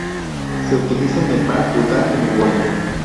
Se utiliza en Nepal, Bután y Mongolia.